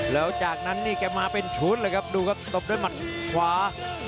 แล้วจากนั้นนี่แกมาเป็นชุดเลยครับดูครับตบด้วยหมัดขวา